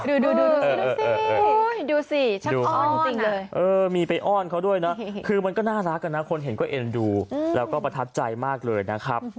ดูสิดูสิช่างอ้อนจริงเลยมีไปอ้อนเขาด้วยนะคือมันก็น่ารักนะคนเห็นก็เอ็นดูแล้วก็ประทับใจมากเลยนะครับ